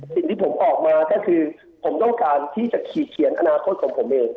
สิ่งที่ผมออกมาก็คือผมต้องการที่จะขีดเขียนอนาคตของผมเอง